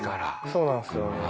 そうなんすよね。